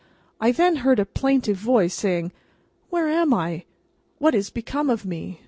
I then heard a plaintive voice saying, "Where am I? What is become of me?"